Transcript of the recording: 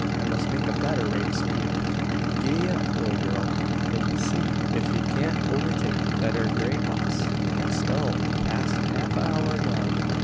"I must make a better rate o' speed. Gee up, ole gurl; an see ef ye can't overtake that ere grey hoss, as scuttled past half a hour agone.